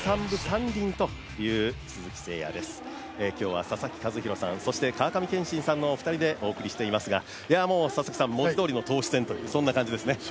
今日は佐々木主浩さん、川上憲伸さんのお二人でお送りしていますが文字どおりの投手戦という感じですね。